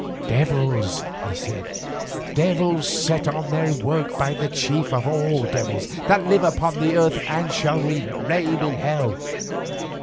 "Devils," he said, "devils set on their work by the chief of all devils that live upon the earth and shall reign in hell.